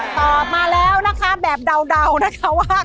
ตอบมาแล้วนะคะแบบเดานะคะว่า